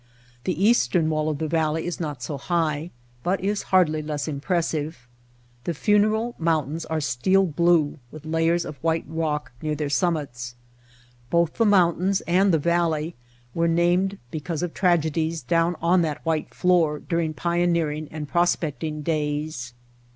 The eastern wall of the valley is not so high, but is hardly less impressive. The Funeral Mountains are steel blue with layers of white rock near their summits. Both the moun tains and the valley were named because of tragedies down on that white floor during pio neering and prospecting days.